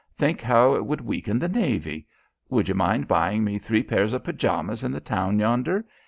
Think how it would weaken the navy. Would you mind buying me three pairs of pajamas in the town yonder?